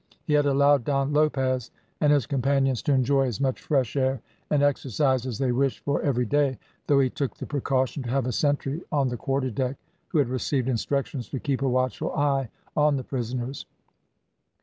He had allowed Don Lopez and his companions to enjoy as much fresh air and exercise as they wished for every day, though he took the precaution to have a sentry on the quarterdeck, who had received instructions to keep a watchful eye on the prisoners.